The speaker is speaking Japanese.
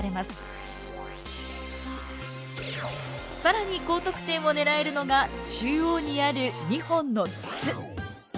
更に高得点を狙えるのが中央にある２本の筒。